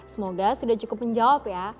semoga sudah cukup menjawab ya